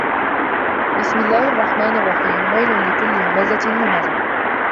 بِسمِ اللَّهِ الرَّحمنِ الرَّحيمِ وَيلٌ لِكُلِّ هُمَزَةٍ لُمَزَةٍ